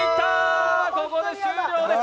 ここで終了です。